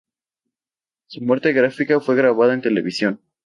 Su muerte gráfica fue grabada en televisión.